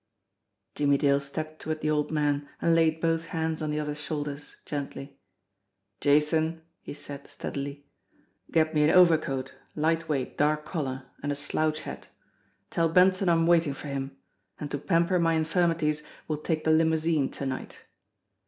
Jimmie Dale stepped toward the old man, and laid both hands on the other's shoulders gently. "Jason," he said, steadily, "get me an overcoat, light weight, dark color and a slouch hat. Tell Benson I'm waiting for him and to pamper my infirmities we'll take the limousine to night."